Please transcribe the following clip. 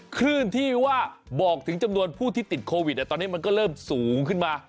คลื่นที่ว่าบอกถึงจำนวนผู้ที่ติดโควิดตอนนี้มันก็เริ่มสูงขึ้นมา